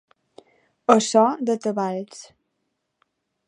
A so de tabals.